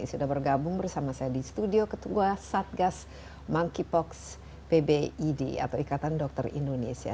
sudah bergabung bersama saya di studio ketua satgas monkeypox pbid atau ikatan dokter indonesia